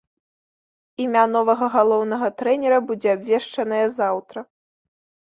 Імя новага галоўнага трэнера будзе абвешчанае заўтра.